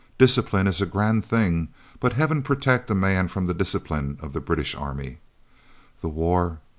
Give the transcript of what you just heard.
Discipline is a grand thing, but Heaven protect a man from the discipline of the British army. The war?